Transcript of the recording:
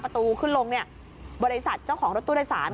ขึ้นลงเนี่ยบริษัทเจ้าของรถตู้โดยสาร